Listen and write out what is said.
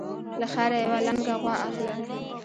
له خیره یوه لنګه غوا اخلم.